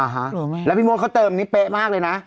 เหรอแล้วพี่มดเขาเติมนี้เป๊ะมากเลยนะ